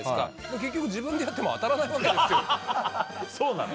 結局、自分でやっても当たらないんですよ。